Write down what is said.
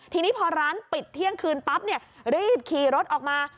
ทีนี้พอร้านปิดเที่ยงคืนปั๊บรีบขี่รถออกมา